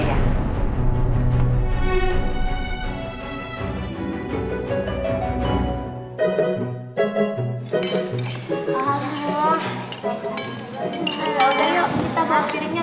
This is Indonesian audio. ayo kita mau kirimnya ke belakang